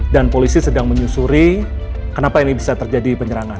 dan polisi sedang menyusuri kenapa ini bisa terjadi penyerangan